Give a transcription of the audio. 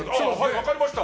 分かりました。